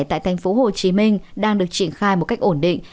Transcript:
tại tp hcm đang được triển khai một cách ổn định